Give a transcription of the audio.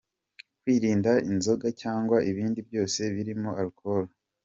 Kwirinda inzoga cyangwa ibind byose birimo alccol.